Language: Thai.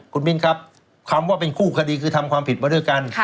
คุณมิ้นครับคำว่าเป็นคู่คดีคือทำความผิดมาด้วยกัน